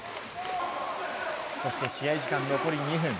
そして試合時間残り２分。